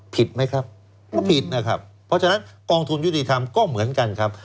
ผิดไหมครับก็ผิดนะครับเพราะฉะนั้นกองทุนยุติธรรมก็เหมือนกันครับ